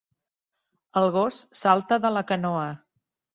El gos salta de la canoa.